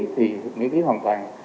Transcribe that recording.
thì miễn phí hoàn toàn